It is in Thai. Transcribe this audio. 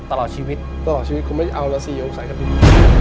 ตลอดชีวิตตลอดชีวิตคุณไม่เอาแล้วสิอย่าพูดใส่ครับพี่